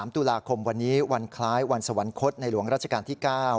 ๓ตุลาคมวันนี้วันคล้ายวันสวรรคตในหลวงราชการที่๙